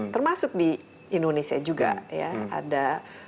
termasuk di indonesia juga ya ada